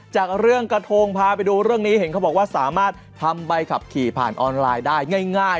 จากเรื่องกระทงพาไปดูเรื่องนี้เห็นเขาบอกว่าสามารถทำใบขับขี่ผ่านออนไลน์ได้ง่าย